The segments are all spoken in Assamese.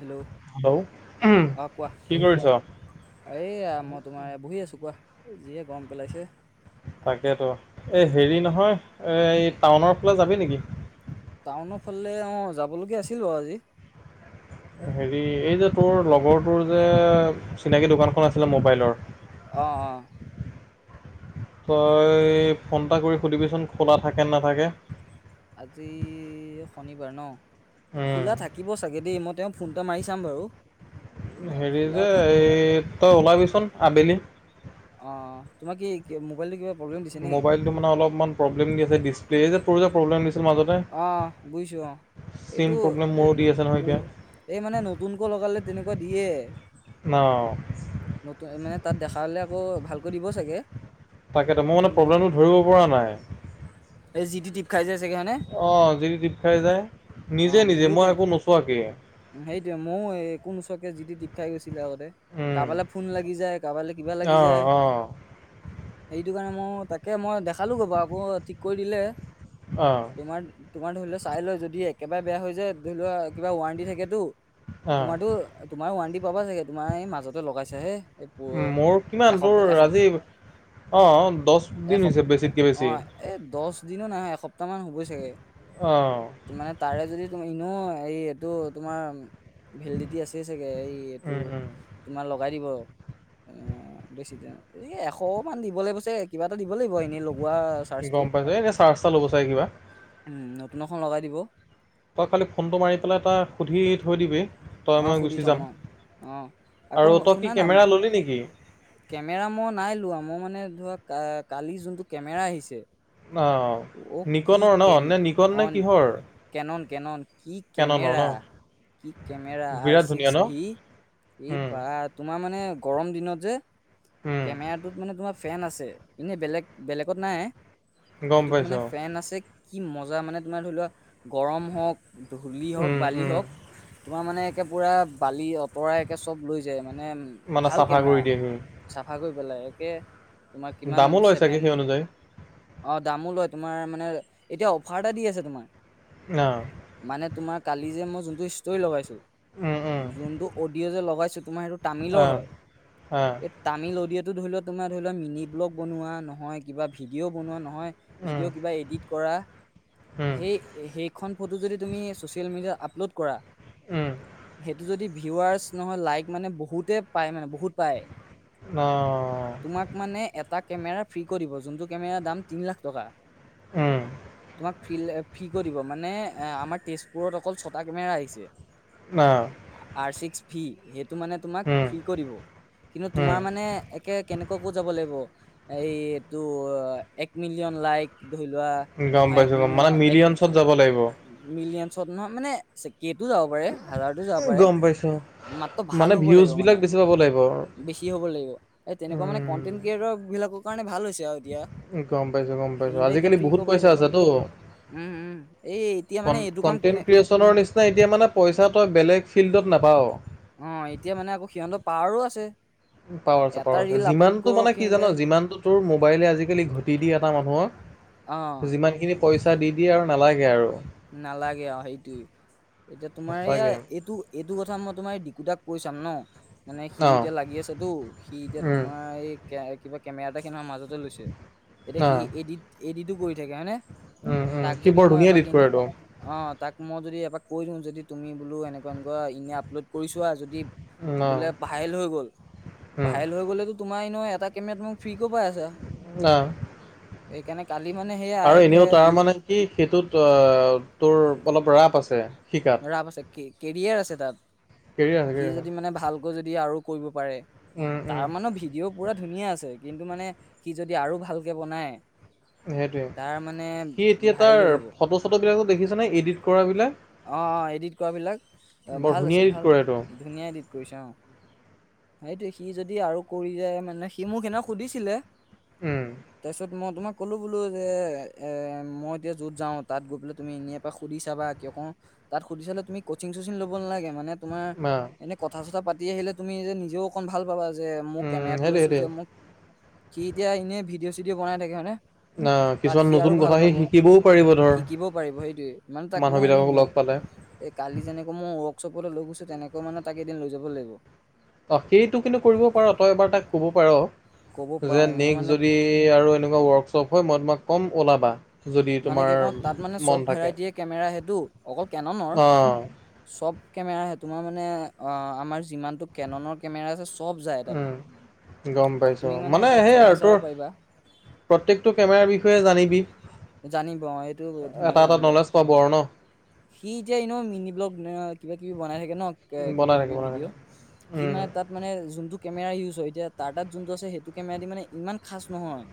হেল্ল', হেল্ল' অ কোৱা, কি কৰিছ? এইয়া মই তোমাৰ বহি আছো। কোৱা যিয়ে গৰম পেলাইছে তাকেতো, এই হেৰি নহয়, এই টাউনৰ ফালে যাবি নেকি? টাউনৰ ফালে অ, যাবলগীয়া আছিল বাৰু আজি হেৰি এই যে তোৰ লগৰটোৰ যে চিনাকী দোকানখন আছিলে মোবাইলৰ অহ, অ তই ফোন এটা কৰি সুধিবিচোন, খোলা থাকে নাথাকে? আজি শনিবাৰ ন, উম খোলা থাকিব চাগে দেই, মই তেওঁক ফোন এটা মাৰি চাম বাৰু হেৰি খোলা যে থাকিম এই তই ওলাবিচোন আবেলি অ তোমাৰ কি মোবাইলটো কিবা? প্ৰব্লেম দিছে নেকি মোবাইলটো মানে অলপমান প্ৰব্লেম দিছে। দিছপেল যে প্ৰব্লেম দিছে। অহ বুজিছো অহ। চিম এইটো প্ৰব্লেম মোৰো দি আছে নহয় মোৰ এতিয়া এই মানে নতুনকৈ লগালে তেনেকুৱা দিয়ে। ন নতুন মানে তাত দেখা হ'লে আকৌ ভালকৈ দিব চাগে। তাকে তো, মই মানে কিন্তু প্ৰব্লেমটো ধৰিব পৰা নাই। এই জি [inaudible] আহ যদি টিপ খাই যায়। নিজে অ' নিজে মোৰো মই তেনে একো নোচোৱাকে। সেইটে মইয়ো কোন ওচৰকে যিটি দীপ খাই গৈছে উম, ফ লালা ল অ' অ' [inaudible] সেইটো কাৰণে মই তাকে মই দেখালোঁ। ক'ব আকৌ ঠিক কৰি দিলে। অ' তোমাৰ তোমাৰ ধৰি লও চাই লয় যদি একেবাৰে বেয়া হৈ যায় ধৰি লোৱা কিবা ৱাৰেণ্টি থাকেতো অ' তোমাৰো তোমাৰো ওৱণ্টি পাবা চাগে তোমাৰ এই মাজতে লগাইছা হে [unintelligible] উ মোৰ কিমান তোৰ আজি অ' দহ দিন এসপ হৈছে বেছিতকে অ বেছি। এই দহ দিনো নহয় এসপ্তাহ মান হুবই চাগে, অ' মানে তাৰে যদি তুমি এ নো এই এইটো তোমাৰ ভেলিডিটি আছেই চাগে। এই এইটো উম, উম। তোমাৰ লগ লগঢিব [inaudible] অ' বেছি দিন এ এশ মান দিব লাগিব ছাগে। কিবা এটা দিব লাগিব এনেই লগোৱা চাৰ্জটো গম পাইছো। এতিয়া চাৰ্জটা ল'ব চাগ কিবা। নতুন এখন লগাই দিব। তই খালি ফোনটো মাৰি পেলাই তটা সুধি থৈ দিবি। তই অ মই সুধি গুচি থম যাম অ অ আকৌ আৰু তই কি শুনা না কেমেৰা ললি নেকি? কেমেৰা মই নাই লোৱা। মই মানে ধৰা কালি যোনটো কেমেৰা আহিছে। আহ অ কি নিকনৰ ন কেম নে নিকন নে অন কিহৰ? কেনন কেনন কি কেননৰ কেমেৰা ন কি কেমেৰা আৰ বিৰাট ধুনীয়া চিক্স ন ভি এই উম, বা তোমাৰ মানে গৰম দিনত যে উম কেমেৰাটোত মানে তোমাৰ ফেন আছে। এনেই বেলেগ বেলেগত নাই। গম সেইটোত মানে পাইছো ফেন আছে। কি মজা মানে তোমাৰ ধৰি লোৱা গৰম হওক। ধলি হওক উম, বালি উম। হওক। তোমাৰ মানে একে পুৰা বালি অ' আতৰাই একে চব লৈ যায় মানে মানে ভাল। চাফা কেমেৰা কৰি দিয়েহি চাফা কৰি পেলাই একে তোমাৰ কিমান দামো লয় ছাগে ছেভেন সেই অনুযায়ী। অ' দামো লয়। তোমাৰ মানে এতিয়া অফাৰ এটা দি আছে তোমাৰ অ মানে তোমাক। কালি যে মই যোনটো ষ্টৰি লগাইছো। উম উম যোনটো অডিঅ' যে লগাইছো তোমাৰ সটো অ তামিলৰ হয় অ এই তামিল অ' এইটো ধৰি লও তোমাৰ ধৰি লও মিনি ব্লগ বনোৱা নহয় কিবা ভিডিঅ' বনোৱা নহয়। উম ভিডিঅ' কিবা এডিট কৰা উম সেই সেইখন ফটো যদি তুমি চচিয়েল মিডিয় আপলোড কৰা উম সেইটো যদি ভিৱাৰছ নহয়। লাইক মানে বহুতে পায় মানে বহুত। অ তোমাক মানে এটা। কেমেৰা ফ্ৰী কৰি দ যোনটো কেমেৰাৰ দাম তিনি লাখ টকা উম তোমাক ফ ফ্ৰী কৰি দিব মানে এ আমাৰ তেজপুৰত অকল ছটা কেমেৰা আহিছে। অ আৰচি [unintelligible] ফি স ত মানে তোমাক উম ফ্ৰী কে দিব কিন্তু উম তোমাৰ মানে একে কেনেকুৱা কো যাব লাগিব [unintelligible] এই এইটো এক মিলিয়ন লাইক। ধৰি লোৱা গম নহয় এক পাইছো মিন গম মানে এক মিলিয়নছত যাব লাগিব মিলিয়নত নহয় মানে কটো যাব পাৰে। হাজাৰটো যাব পাৰে গম পাইছো মাত্ৰ ভাল মানে হ'ব ভিউজ লাগিব। বিলাক মানে বেছি পাব লাগিব বেছি হ'ব লাগিব। এই তেনেকুৱা মানে উম কনটেন্ট ক্ৰিয়েটৰ বিলাকৰ কাৰণে ভাল হৈছে আৰু এতিয়া গম পাইছো গম পাইছো সিহঁতে এতিয়া আজিকালি বহুত ফ্ৰীকৈ পাই পইচা যাব আছেটো উম উম এই এতিয়া মানে এইটো কাম কনটেনট কোনে ক্ৰিয়েচনৰ নিচিনা এতিয়া মানে পইচা তই বেলেগ ফিল্ডত নাপাৱত। অ এতিয়া মানে আকৌ সিহঁতৰ পাৱাৰো আছে উ পাৱাৰ আছে এটা পাৱাৰ আছে ৰিল আপলোড যিমানটো কৰক মানে কি জান সিহঁতে যিমানটো তোৰ মোবাইলে আজিকালি ঘটি দিয়ে এটা অ মানুহক যিমান খিনি পইচা দি দিয়ে আৰু নালাগে আৰু নালাগে আৰু সেইটোয়ে এতিয়া তোমাৰ সেয়া সঁচাকে এইটো এইটো কথা মই তোমাৰ এই দিকুতাক কৈ চাম ন মানে অ সিও এতিয়া লাগি আছেটো সি এতিয়া উম তোমাৰ এই কে কিবা কেমেৰা এটা কিনাৰ মাজত লৈছে এতিয়া অ সি এদিত এদিতো কৰি থাকে হয়নে উম উম তাক সি যদি বৰ মই ধুনীয়া এডিট এপাক কৰে অ তাক মই যদি এপাক কৈ দিওঁ যদি তুমি বোলো এনেকুৱা এনেকুৱা এনে আপলোড কৰি চোৱা আৰু যদি উম অ বোলে ভাইৰেল হৈ গ'ল উম ভাইৰেল হৈ গ'লেতো তোমাৰ ন এটা কেমেৰা মোক ফ্ৰি গ পাই আছে অ এইকাৰণে কাট আৰু এনেও তাৰ মানে কি সেইটোত তোৰ অলপ ৰাপ আছে শিকাত ৰাপ আছে কেৰিয়াৰ আছে কেৰিয়াৰ আছে তাত সি কেৰিয়াৰ আছে যদি মানে ভালকৈ যদি আৰু কৰিব পাৰে উম উম তাৰ মানে ভিডিঅ' পুৰা ধুনীয়া আছে কিন্তু মানে সি যদি আৰু ভালকে বনাই সেইটয়ে তাৰ মানে সি এতিয়া ভাইৰেল তাৰ হৈ যাব ফটো চটো বিলাকো দেখিছানে এডিট কৰা বিলাক অঁ অ এডিট কৰাবিলাক ভাল ধুনীয়া আছে এডিট ভাল কৰেতো ধুনীয়া এডিট কৰিছে অঁ সেইটো সি যদি আৰু কৰি যায় মানে সি মোক সেইদিনা সুধিছিলে উম তাৰপিছত মই তোমাক ক'লোঁ বোলো যে মই এতিয়া য'ত যাওঁ তাত গৈ পেলাই তুমি এনে এপাক সুধি চাবা কিয় কওঁ তাত সুধি চালে তুমি কচিং চচিং ল'ব নালাগে মানে তোমাৰ অ এনে কথা চথা পাতি আহিলে তুমি যে নিজেও অকণ ভাল পাবা যে মোৰ উম কেমেৰাতো সেইটোৱে লৈছো সেইটোৱে যে মোক কি এতিয়া এনেই ভিডিঅ' চিডিঅ' বনাই থাকে হয়নে ন তাত কিছুমান সি আৰু নতুন ভাল কথা সি পাব শিকিবও পাৰিব ধৰ শিকিবও পাৰিব সেইটোয়ে মানে তাক মই এদিন মানুহবিলাকক লগ নহক পালে। এই কালি যেনেকৈ মই ৱৰ্কশ্বপলৈ লৈ গৈছো তেনেকৈ মানে তাক এদিন লৈ যাব লাগিব অ সেইটো কিন্তু কৰিব পাৰ তই এবাৰ তাক ক'ব পাৰ ক'ব অ পাৰো যে মই নেক্স মানে যদি আৰু এনেকুৱা ৱৰ্কশ্বপ হয় মই তোমাক কম ওলাবা যদি মানে তোমাৰ কি কওঁ তাত মানে মন চব থাকে ভেৰাইটিয়ে কেমেৰা সেইটো অকল কেননৰ অ চব কেমেৰা সে তোমাৰ মানে অ আমাৰ যিমানতটো কেননৰ কেমেৰা আছে চব যায় তাত উম গম তাত পাইছো তুমি মানে তাত সেই চলাই আৰু চাব তোৰ পাৰিবা প্ৰত্যেকটো কেমেৰাৰ বিষয়ে জানিবি জানিব এইটো এটা ধুনীয়াকে এটা জানিব নলেজ পাব [inaudible] সি এতিয়া এনে মিনি ব্লগ কিবা কিবি বনাই থাকে ন কিবা বনাই থাকে কিবি বনাই থাকে ভিডিঅ' সি উম মানে তাত মানে যোনটো কেমেৰা ইউজ হয় এতিয়া টাটাত যোনটো আছে সেইটো কেমেৰা দি মানে ইমান খাচ নহয়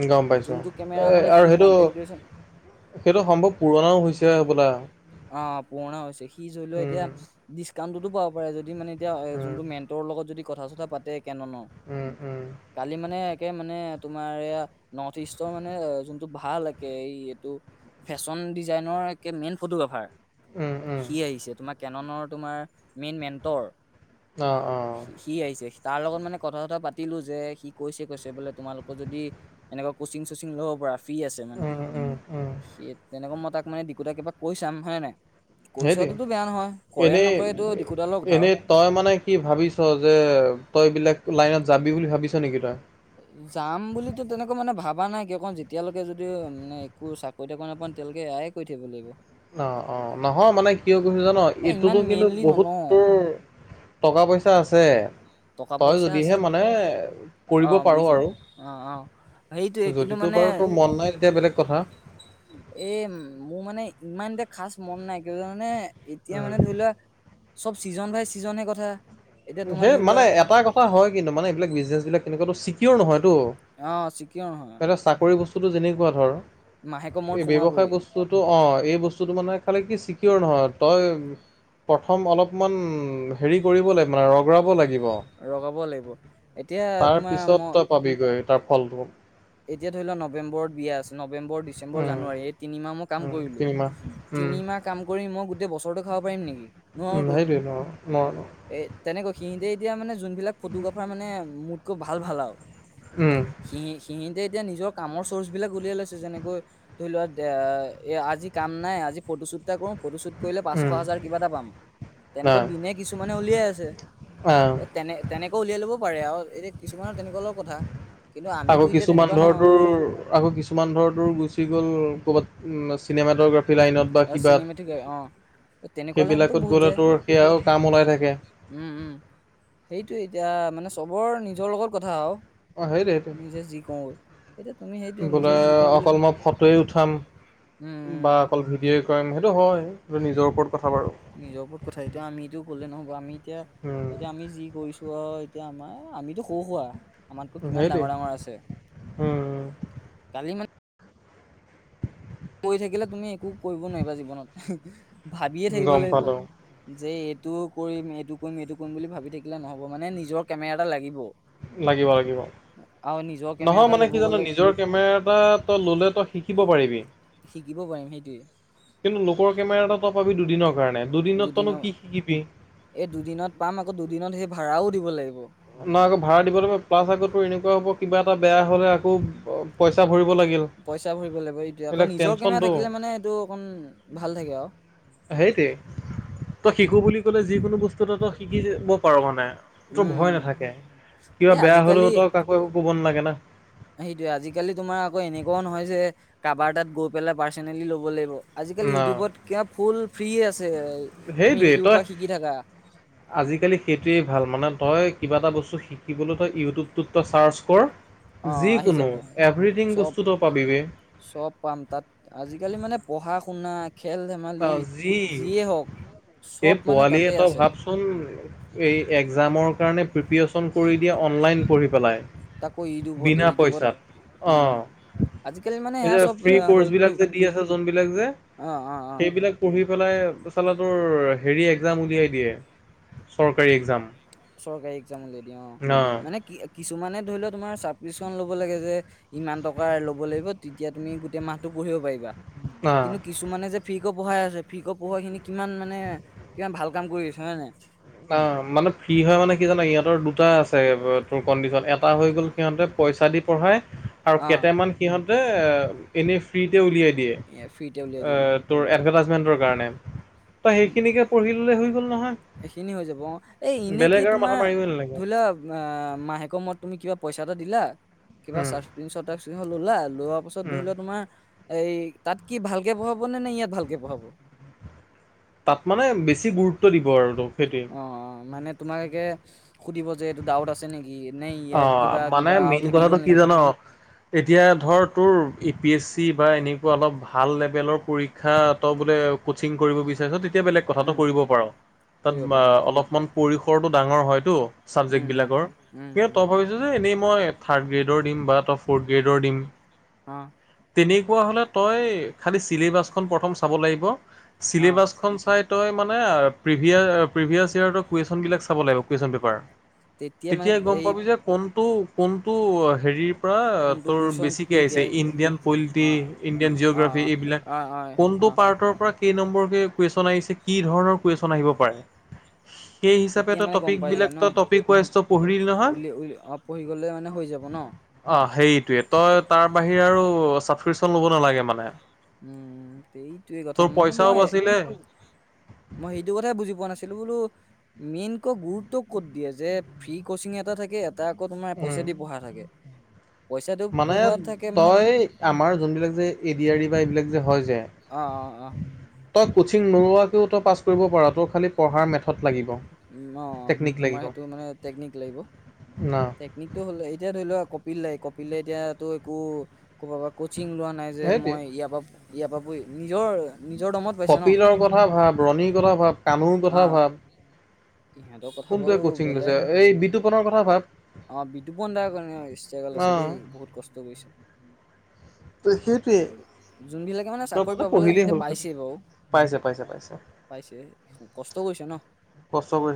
উ গম পাইছো যোনটো কেমেৰা এ মানে সি আৰু সেইটো কন্টেন্ট ক্ৰিয়েচন সেইটো সম্ভৱ পুৰণাও হৈছে হ'বলা অ পুৰণা হৈছে সি ধৰিলও এতিয়া উম ডিচকাউন্টতো পাব পাৰে যদি মানে এতিয়া উম যোনটো মেন্টৰ লগত যদি কথা চথা পাতে কেনন উম উম কালি মানে একে মানে তোমাৰ নৰ্থ ৰ্ইষ্টৰ মানে এইটো ভাল একে এই এইটো ফেশ্বন ডিজাইনৰ একে মেইন ফটোগ্ৰাফাৰ উম, উম, সি আহিছে তোমাৰ কেননৰ তোমাৰ মেইন মেন্টৰ অ অ সি সি আহিছে তাৰ লগত মানে কথা চথা পাতিলো যে সি কৈছে কৈছে বোলে তোমালোকৰ যদি এনেকুৱা কচিং চচিং ল'ব পৰা ফ্ৰী আছে মানে উম, উম, উম, সেই তেনেকা মই তাক মানে দিকুদাই কিবা কৈ চাম হয়নে নাই কৈ সেইট চোৱাটোতো বেয়া নহয় কৰে এনে নকৰে এইটো দিকুতাৰ লগত কথা আৰু এনেই তই মানে কি ভাবিছ যে তই বিলাক লাইনত যাবি বুলি ভাবিছ নেকি তই যাম বুলিটো তেনেকুৱা মানে ভাবা নাই কিয় কাৰণ যেতিয়ালৈকে যদিও মানে একো চাকৰি তাকৰি নাপাও তেতিয়ালৈকে এয়া কৈ থাকিব লাগিব [unintelligible] অ অ নহয় মানে কিয় কৈছো জান এ এইটোতো ইমান কিন্তু মেইনলি বহুত নলওঁ তোৰ টকা পইচা আছে টকা তই পইচা যদিহে আছে মানে অ কৰিব পাৰ বুজিছো আৰু। অ অ সেইটোয়ে যদি কিন্তু তোৰ মানে বাৰু তোৰ মন নাই, তেতিয়া বেলেগ কথা। এ মোৰ মানে ইমানদে খাছ মন নাই, কিয় জান নে? এতিয়া উম, মানে ধৰি লোৱা, চব চিজন বাই চিজনহে কথা। এতিয়া তোমাৰ সেই ধৰি মানে লোৱা এটা কথা হয় কিন্তু, মানে এইবিলাক বিজনেছবিলাক কেনেকুৱাটো ছিকিয়ৰ নহয় টো। অ চিকিয়ৰ নহয় মানে চাকৰি বস্তুটো যেনেকুৱা ধৰ। মাহেকৰ মূৰত এই ব্যৱসায় সোমাবই বস্তুটো অ' এই বস্তুটো মানে ফালে কি ছিকিয়ৰ নহয়। তই প্ৰথম অলপমান হেৰি কৰিব লা [unintelligible] ব লাগিব। ৰগাব লাগিব এতিয়া তোমাৰ মই তাৰপিছত তই পাবি গৈ ফলটো। এতিয়া ধৰি লোৱা, নৱেম্বৰত বিয়া আছে। নৱেম্বৰ, ডিচেম্বৰ, উম জানুৱাৰী, এই তিনিমাহ মই কাম উম কৰিলোঁ। তিনিমাহ উম তিনিমাহ কাম কৰি মই গোটেই বছৰটো খাব পাৰিম নেকি? উম নোৱাৰোঁতো। সেইটোৱে ন ন এ তেনেকৈ। সিহিতে এতিয়া মানে যোনবিলাক ফটোগ্ৰাফাৰ মানে মোতকৈ ভাল - ভাল আও উম। সিন্তে এতিয়া নিজৰ কামৰ চৰ্চবিলাক উলিয়াই লৈছে, যেনেকৈ ধৰি লোৱা, দে অ'- এ- আজি কাম নাই। আজি ফটোশ্বুট টা কৰোঁ। ফটোশ্বুট কৰিলে উম পাঁচশ-হাজাৰ কিবা এটা পাম। তেনেকৈ নাই দিনে কিছুমানে উলিয়াই আছে। আহ তেনে- তেনেকৈ উলিয়াই লব পাৰে আৰু। এতিয়া কিছুমানৰ তেনেকুৱা লগৰ কথা। কি আকৌ কিছুমান ধৰ, তোৰ- আকৌ কিছুমান ধৰ, তোৰ গুচি গ'ল ক'বাত চিনেমাটোগ্ৰাফী লাইনত বা কিবা চিনেমেটিক অ তেনেকুৱা লাইনতো সেইবিলাকত বহুত গ'লে যায় তোৰ সেয়াও কাম ওলাই থাকে। সেইটো এতিয়া, মানে চবৰ নিজৰ লগত কথা আৰু। অ সেইটোৱে সেইটোৱে নিজে যি কওঁ এতিয়া তুমি সেইটোয়ে নিজে বোলে যি কওঁ বুলি অকল মই ফ'টোৱে উঠাম বা উম, অকল ভিডিঅ'ই কৰিম। সেইটো হয়, ইবোৰ নিজৰ ওপৰত কথা বাৰু নিজৰ ওপৰত কথা এতিয়া। আমিতো গ'লে নহ'ব। আমি এতিয়া- এতিয়া আমি যি কৰিছোঁ আৰু এ তিয়া আমাৰ আমিতো সৰু-সুৰা। আমাতকৈ উম কিমান সেইটোৱে ডাঙৰ - ডাঙৰ আছে। উম কালি মা কৈ থাকিলে, তুমি একো কৰিব নোৱাৰিবা জীৱনত। ভাবিয়ে থাকিব গম লাগিব, পালোঁ যে এইটো কৰিম, এইটো কৰিম, এইটো কৰিম বুলি ভাবি থাকিলে নহ'ব। মানে নিজৰ কেমেৰা এটা লাগিব। লাগিব - লাগিব। আৰু নিজৰ কেমেৰা নহয়, এটা মানে ল'ব কি জান? গ'লে নিজৰ কেমেৰা এটা তই ল'লে তই শিকিব পাৰিবি। শিকিব পাৰিম। সেইটোৱে। কিন্তু লোকৰ কেমেৰা এটা তই পাবি দুদিনৰ কাৰণে দুদিনত তইনো দুদিনৰ- কি শিকিবি এই দুদিনত পাম। আকৌ দুদিনত সেই ভাড়াও দিব লাগিব। ন' আকৌ ভাড়া দিব লাগিব। প্লাছ আক' তোৰ এনেকুৱা হ'ব, কিবা এটা বেয়া হ'লে আকৌ প- পইচা ভৰিব লাগিল পইচা ভৰিব লাগিব, এইটোৱে। আকৌ এইবিলাক নিজৰ কেমেৰা টেনচনটো থাকিলে মানে, সেইটো অকণ ভাল থাকে আৰু। সেইটোৱে। তই শিকোঁ বুলি ক'লে, যিকোনো বস্তুটো তই শিকিব পাৰ মানে। তো উম, ভয় উম। নাথাকে। কিবা এ বেয়া হ'লেও তই কাকো একো কব নালাগে না। সেইটোৱে। আজিকালি তোমাৰ আকৌ এনেকুৱাও নহয় যে, কাৰোবাৰ তাত গৈ পেলাই পাৰ্ছনেলি ল'ব লাগিব। আজিকালি না, ইউটিউবত কিবা ফুল ফ্ৰি আছে। তুমি সেইটোৱেই ইউটিউবৰ তই পৰা শিকি থাকা। আজিকালি সেইটোৱেই ভাল, মানে তই কিবা এটা বস্তু শিকিবলৈ তই ইউটিউবটোত তই ছাৰ্চ কৰ। অ আহি যিকোনো। যাব এভ্ৰিথিং চব বস্তু তই পাবি বে। চব পাম তাত। আজিকালি মানে পঢ়া শুনা খেল ধেমালি আজি যিয়ে হওক এই চব মানে পোৱালিয়ে তাতে তই আছে ভাবচোন। এই এক্জামৰ কাৰণে প্ৰিপিয়চন কৰি দিয়ে, অনলাইন পঢ়ি পেলাই। তাকো ইউটিউবত- বিনা ইউটিউবত, পইচাত উম। অ' আজিকালি মানে এই সেয়া যে চব ফ্ৰি এ হ'লতো কৰ্ছবিলাক যে দি আছে, যোনবিলাক যে, অ অ অ সেইবিলাক পঢ়ি পেলাই চালা তোৰ হেৰি এক্জাম উলিয়াই দিয়ে। চৰকাৰী এক্জাম। চৰকাৰী এক্জাম উলিয়ায় দিয়ে, অ'। মানে কি কিছুমানে ধৰি লও তোমাৰ ছাব্ক্ৰিপশ্যন ল'ব লাগে যে ইমান ট লব লাগ তেতিয়া তুমি গোটেই মাহতটো পঢ়িব পাৰি। অ' কিন্তু কিছুমানে যে ফ্ৰী ফিক পঢ়াই আছে ফিক পঢ়াই খিনি কিমান মানে কিমান ভাল কাম কৰি আছে হয় নে জানা নে অ, মানে ফ্ৰী হয় মানে কি জানা ইহতৰ দুটা আছে তোৰ কণ্ডিশন এটা হৈ গ'ল সিহতে পইচা দি পঢ়ায় আৰু অ', কেইটামান সিহতে এনেই ফ্ৰীতে উলিয়াই দিৱ। দিয়ে অ, এ ফ্ৰীতে উলিয়াই দিয়ে অ', তোৰ এভেটাইচ নিদিয়ে কাৰনে? তই উম, সেইখিনিকে পঢ়িললে হৈ গ'ল নহয়। এইখিনি হৈ যাব অ, এ এনে কি বেলেগ আৰু মাথা তোমাৰ মাৰিবই নালাগে ধৰি লোৱা আহ মাহেকৰ মৰত তুমি কিবা পইচাটা দিলা কিবা উম, ছাপচক্ৰিপচন টাপছক্ৰিপচন ললা লোৱাৰ পাছত ধৰি উম। লোৱা তোমাৰ এই তাত কি ভালকে পঢ়াব নে - নে ইয়াত ভালকে পঢ়াব? তাত মানে বেছি গুৰুত্ব দিব আৰু তোক। সেইটোৱে অ - অ মানে তোমাকোকে সুধিব যে এইটো ডাউট আছে নেকি। নে অ, ইয়াৰ কিবা মানে কিবা আৰু মেইন থাকি কথাটো গ'ল কি নেকি জান এতিয়া ধৰ তোৰ এ পি এছ চি বা এনেকুৱা অলপ ভাল লেভেলৰ পৰীক্ষা ত বোলে ক'চিং কৰিব বিচাৰিছ? তেতিয়া বেলেগ কথাতটো উম কৰিব পাৰ তাত কৰিব পাৰো অ অলপমান পৰিসৰটো ডাঙৰ হয়তো? উম চাবজেক্ট উম বিলাকৰ উম কিন্তু উম তই ভাবিছো যে এনেই। মই থাৰ্ড গ্ৰেডৰ দিম বা ত ফৰ্থ গ্ৰেডৰ দিম। হম তেনেকুৱা হ'লে তই খালী চিলেবাছখন প্ৰথম চাব লাগিব? অ চিলেবাছ খন চাই তই মানে। প্ৰভিয় প্ৰভিয়াছ ইয় কন বিলাক চাব লাগিব কুৱন পেপাৰ। তেতিয়া মানে এতিয়াই গম এই পাবি যে কোনটো - কোনটো হেৰি পৰা কোনটো তোৰ কুৱেশন বেছিকে কেতিয়া আহিছে আহিব অ ইণ্ডিয়ান পলিটি অ ইণ্ডিয়ান অ জিঅ'গ্ৰাফি এইবিলাক অ অ কোন। অ পাৰ্টৰ পৰা কেই নম্বৰকে কুৱেশচন আহিছে কি ধৰণৰ কুৱেশচন আহিব পাৰে। সেই হিচাপে তেতিয়া তো মানে গম টপিক পাই যায় বিলাক ন টপিক ৱাইজটো ত' উল - উল অ, পঢ়ি গলে মানে হৈ যাব ন। অ সেইটোৱে তই তাৰ বাহিৰে আৰু চাবক্ৰিপশ্যন ল'ব নালাগে মানে। উম, সেইটোৱেই কথা তোৰ মানে পইচাও মই। বাচিলে মই সেইটো কথাই বুজি পোৱা নাছিলো বোলো মেইন কৈ গুৰুত্ব ক'ত দিয়ে যে ফ্ৰি কচিং এটা থাকে। তা আকৌ তোমাৰ পইচা উম দি পঢ়া থাকে। পইচাটো মানে পঢ়োৱাত থাকে মানে তই আমাৰ যোনবিলাক যে এ ডি আৰি বা এইবিলাক যে হয়। যে অহ - অহ - অহ। তই কোচিং নোলোৱাকৈও তই পাছ কৰিব পাৰ তই খালি পঢ়াৰ মেথ উম, অ, তোমাৰ সেইটো মানে টেকনিক লাগিব? না টেকনিকটো হ'ল এতিয়া ধৰি লোৱা আক কপিল লাই কপিল এতিয়াতো একো কব পৰা কচিং লোৱা নাই যে সেইটোৱে মই ইয়াৰ পৰা। ইয়াৰ বাবুই নিজৰ নিজৰ দমত পাইছে ন কপিলৰ কথা ভাব ৰণীৰ কথা ভাব কানুৰ অ কথা ভাব। ইহঁতৰ কথা কোনটোৱে বাৰু কচিং বেলেগ লৈছে এই বিতুপনৰ কথা ভাব। অ, বিদুপন দাৰ কাৰণে ষ্ট্ৰাগল অ আছে দেই বহুত কষ্ট কৰিছে? ত সেইটোৱে যোনবিলাকে মানে তই চাকৰি পাব লাগে পঢ়িলেই সিনতে হ'ল পাইছেই বাৰু। পাইছে পাইছে পাইছে পাইছে কষ্ট কৰিছে ন। কষ্ট কৰি